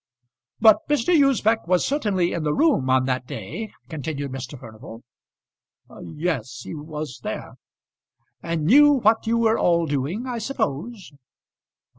"But Mr. Usbech was certainly in the room on that day?" continued Mr. Furnival. "Yes, he was there." "And knew what you were all doing, I suppose?"